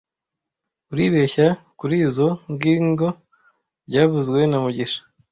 Uribeshya kurizoi ngingo byavuzwe na mugisha